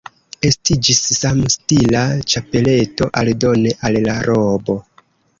Estiĝis samstila ĉapeleto aldone al la robo.